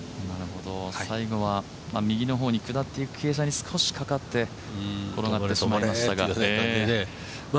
最後は右の方に下っていく傾斜に少しかかって転がってしまいましたが。